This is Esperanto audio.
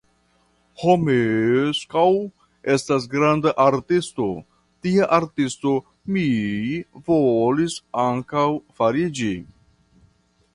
Romeskaŭ estas granda artisto, tia artisto mi volis ankaŭ fariĝi.